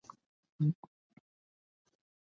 بازار د سوداګرۍ اساسي بنسټ دی.